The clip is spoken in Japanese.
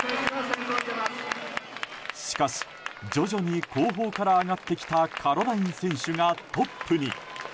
しかし、徐々に後方から上がってきたカロライン選手がトップに。